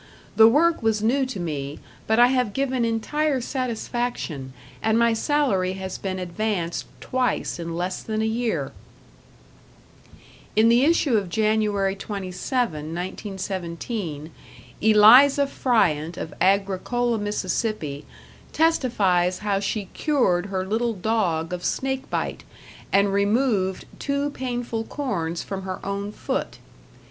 The work was new to me, but I have given entire satisfaction, and my salary has been advanced twice in less than a year." In the issue of January 27, 1917, Eliza Fryant of Agricola, Miss., testifies how she cured her little dog of snake bite and removed two painful corns from her own foot.